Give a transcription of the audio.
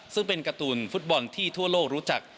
ซึ่งเป็นการ์ตูนฟุตบอลที่ทั่วโลกรู้จัก